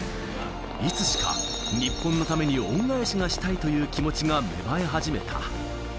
いつしか日本のために恩返しがしたいという気持ちが芽生え始めた。